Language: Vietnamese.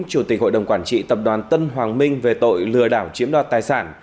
chủ tịch hội đồng quản trị tập đoàn tân hoàng minh về tội lừa đảo chiếm đoạt tài sản